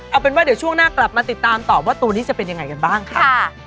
เอาเป็นว่าเดี๋ยวช่วงหน้ากลับมาติดตามตอบว่าตัวนี้จะเป็นยังไงกันบ้างค่ะ